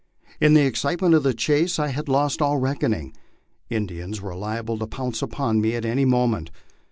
In the excitement of the chase I had lost all reckoning. Indians were liable to pounce upon me at any mo ment.